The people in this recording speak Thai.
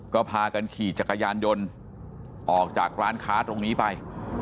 ก็พากันขี่จักรยานยนต์ออกจากร้านค้าตรงนี้ไป